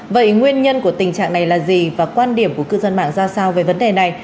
vậy nguyên nhân của tình trạng này là gì và quan điểm của cư dân mạng ra sao về vấn đề này